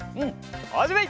はじめい！